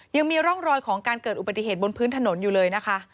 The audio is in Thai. ยังมีร่องรอยของการเกิดอุบัติเหตุบนพื้นถนนอยู่เลยนะคะ